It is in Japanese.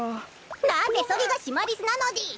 なぜそりがシマリスなのでぃす！